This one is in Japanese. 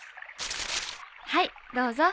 はいどうぞ。